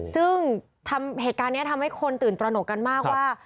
ซึ่งเหตุการณ์นี้ทำให้คนตื่นตระหนกกันมากว่า